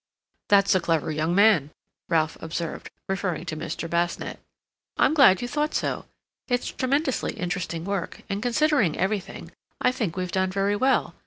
"That's a clever young man," Ralph observed, referring to Mr. Basnett. "I'm glad you thought so. It's tremendously interesting work, and considering everything, I think we've done very well.